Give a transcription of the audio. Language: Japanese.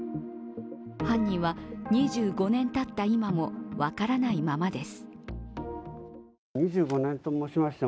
犯人は２５年たった今も分からないままです。